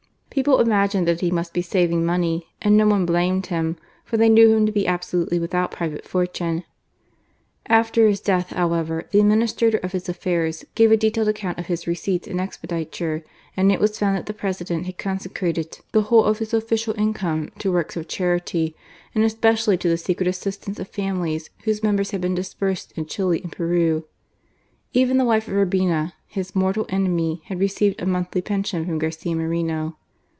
People imagined that he most be saving money, and no one blamed him> for they knew him' to be absolutely withoat private forttme. After his death, howevN, the administrator of his afbirs gave a detailed account of his receipts and expenditure^ and it was foond that the President had consecrated t)ie whole of bis official income to works of chaiky, a^d eq)ecially to the secret assistance of &milies whose members had been dispersed in Chili and Peru, Even the wife of Urbina, his mortal enemy, had received a monthly pension from Garcia Moreno.